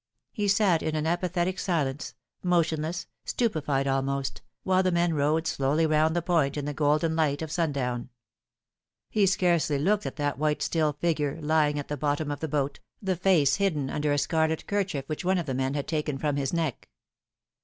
He sat in an apathetic silence, motionless, stupefied almost, while the men rowed slowly round the point in the golden light of sundown. He scarcely looked at that white still figure lying at the bottom of the boat, the face hidden under a scarlet kerchief which one of the men had taken from his neck.